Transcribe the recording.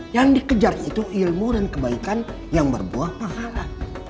yang dikejar itu ilmu dan kebaikan yang berbuah pahala